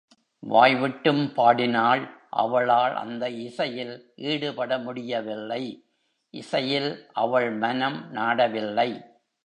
வாய்விட்டும் பாடினாள் அவளால் அந்த இசையில் ஈடுபட முடியவில்லை இசையில் அவள் மனம் நாடவில்லை.